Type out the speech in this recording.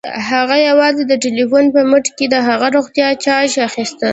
هغه یوازې د ټيليفون په مټ د هغې روغتيا جاج اخيسته